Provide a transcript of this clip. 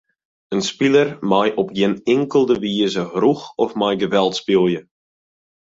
In spiler mei op gjin inkelde wize rûch of mei geweld spylje.